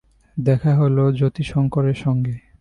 দেখা হল যতিশংকরের সঙ্গে।